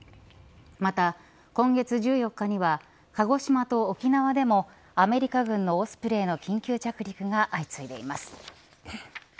また、今月１４日には鹿児島と沖縄でもアメリカ軍のオスプレイの緊急着陸が相次いでいます。